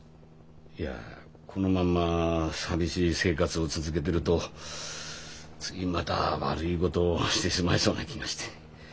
いやこのまま寂しい生活を続けてると次また悪いことをしてしまいそうな気がして。